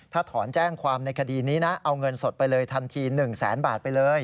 ถ้าถอนแจ้งความในคดีนี้นะเอาเงินสดไปเลยทันที๑แสนบาทไปเลย